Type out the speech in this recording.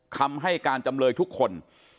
คำให้การจำเลยทุกคน